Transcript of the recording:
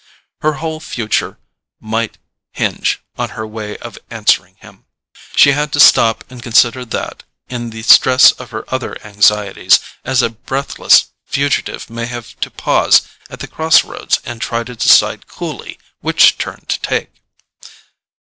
Her whole future might hinge on her way of answering him: she had to stop and consider that, in the stress of her other anxieties, as a breathless fugitive may have to pause at the cross roads and try to decide coolly which turn to take.